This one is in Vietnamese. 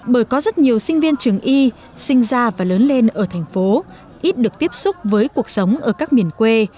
bởi có rất nhiều sinh viên trường y sinh ra và lớn lên ở thành phố ít được tiếp xúc với cuộc sống ở các miền quê